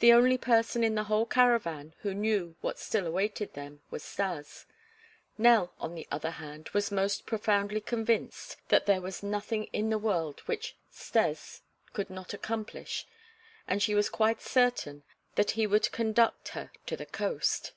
The only person in the whole caravan who knew what still awaited them was Stas; Nell, on the other hand, was most profoundly convinced that there was nothing in the world which "Stes" could not accomplish and she was quite certain that he would conduct her to the coast.